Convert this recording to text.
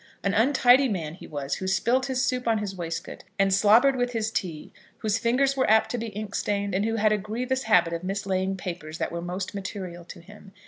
An untidy man he was, who spilt his soup on his waistcoat and slobbered with his tea, whose fingers were apt to be ink stained, and who had a grievous habit of mislaying papers that were most material to him.